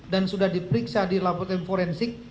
dan sudah diperiksa di laboratorium forense